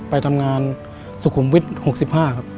ไปทำงานสุขุมวิทย์หกสิบห้าครับ